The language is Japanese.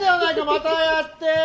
またやって。